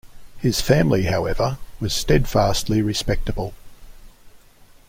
His family, however, was steadfastly respectable.